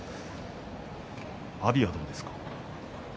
阿炎はどうですか？